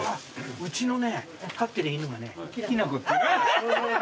うちのね飼ってる犬がねきなこっていうのアハハ！